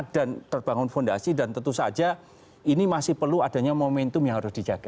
dan terbangun fondasi dan tentu saja ini masih perlu adanya momentum yang harus dijaga